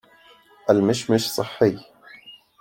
المشمش صحي